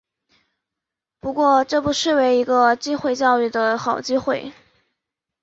不过这不失为一个机会教育的好机会